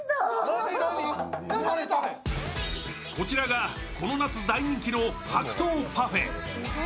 こちらが、この夏大人気の白桃パフェ。